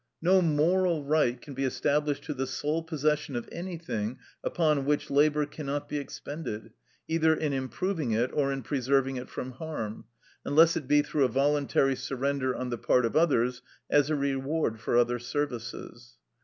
No moral right can be established to the sole possession of anything upon which labour cannot be expended, either in improving it or in preserving it from harm, unless it be through a voluntary surrender on the part of others, as a reward for other services.